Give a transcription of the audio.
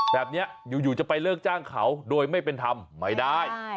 แบบนี้อยู่จะไปเลิกจ้างเขาโดยไม่เป็นธรรมไม่ได้